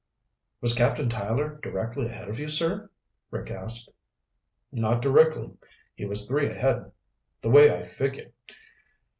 "Was Captain Tyler directly ahead of you, sir?" Rick asked. "Not directly. He was three ahead, the way I figure.